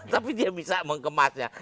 tapi dia bisa mengkematnya